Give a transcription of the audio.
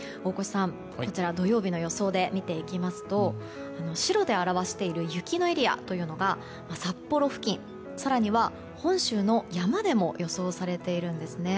土曜日の予想で見ていきますと白で表している雪のエリアというのが札幌付近、更には本州の山でも予想されているんですね。